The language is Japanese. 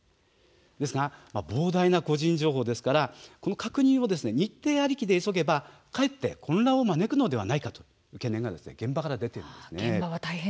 ですが、膨大な個人情報ですからこの確認を日程ありきで急げばかえって混乱を招くのではないかと懸念が現場から出ているんです。